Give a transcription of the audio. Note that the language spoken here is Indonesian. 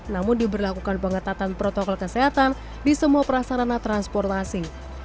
namun diberlakukan pengetatan protokol kesehatan di semua prasarana transportasi